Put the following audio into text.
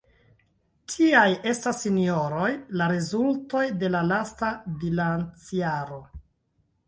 Tiaj estas, sinjoroj, la rezultoj de la lasta bilancjaro.